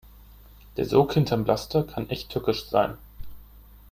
Der Sog hinterm Laster kann echt tückisch sein.